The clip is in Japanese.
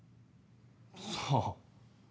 さあ。